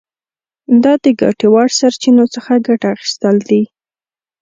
دا د ګټې وړ سرچینو څخه ګټه اخیستل دي.